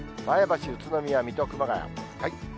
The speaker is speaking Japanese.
前橋、宇都宮、水戸、熊谷。